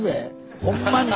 ほんまに！